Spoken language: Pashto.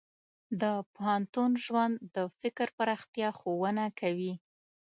د پوهنتون ژوند د فکر پراختیا ښوونه کوي.